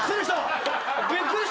びっくりした。